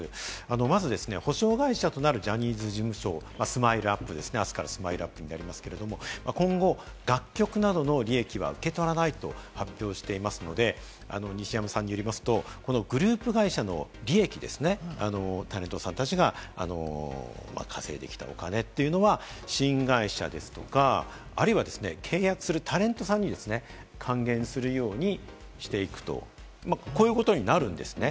まず、補償会社となるジャニーズ事務所、ＳＭＩＬＥ‐ＵＰ．ですね、あすからＳＭＩＬＥ‐ＵＰ．になりますが、今後、楽曲などの利益は受け取らないと発表していますので西山さんによりますと、グループ会社の利益ですね、タレントさんたちが稼いできたお金というのは新会社ですとか、あるいは契約するタレントさんに還元するようにしていくと、こういうことになるんですね。